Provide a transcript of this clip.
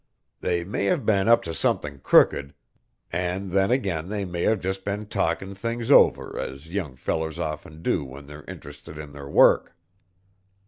They may have been up to something crooked, and then again they may have just been talkin' things over as young fellers often do when they're interested in their work.